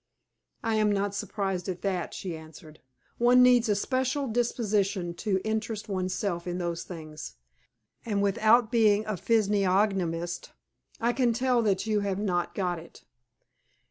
"I am not surprised at that," she answered. "One needs a special disposition to interest one's self in those things, and, without being a physiognomist, I can tell you that you have not got it."